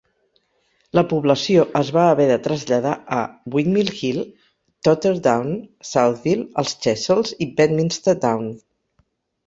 La població es va haver de traslladar a Windmill Hill, Totterdown, Southville, els Chessels i Bedminster Down.